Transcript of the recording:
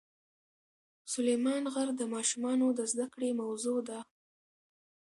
سلیمان غر د ماشومانو د زده کړې موضوع ده.